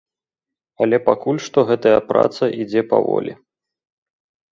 Але пакуль што гэтая праца ідзе паволі.